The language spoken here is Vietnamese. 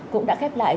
cũng đã khép lại